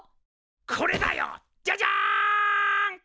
これだよジャジャン！